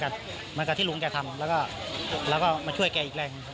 เหมือนกับที่ลุงแกทำแล้วก็มาช่วยแกอีกแรง